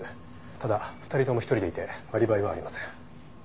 ただ２人とも１人でいてアリバイはありません。